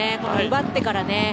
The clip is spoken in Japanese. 奪ってからね。